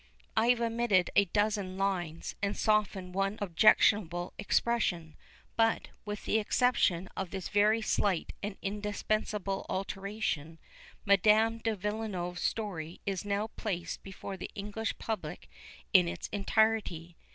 I have omitted a dozen lines, and softened one objectionable expression; but, with the exception of this very slight and indispensable alteration, Madame de Villeneuve's story is now placed before the English public in its entirety.